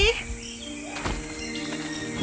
sampai jumpa peggy